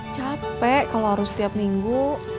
capek kalau harus setiap minggu